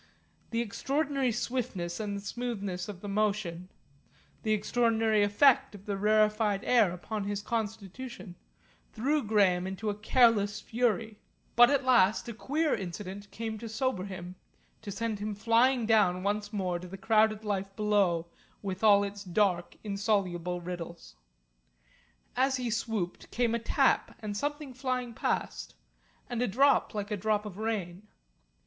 The extraordinary swiftness and smoothness of the motion, the extraordinary effect of the rarefied air upon his constitution, threw Graham into a careless fury. But at last a queer incident came to sober him, to send him flying down once more to the crowded life below with all its dark insoluble riddles. As he swooped, came a tap and something flying past, and a drop like a drop of rain.